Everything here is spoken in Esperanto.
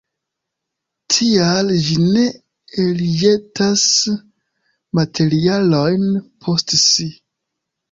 Tial ĝi ne elĵetas materialojn post si.